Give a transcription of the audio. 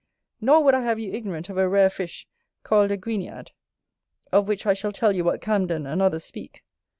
Nor would I have you ignorant of a rare fish called a GUINIAD; of which I shall tell you what Camden and others speak.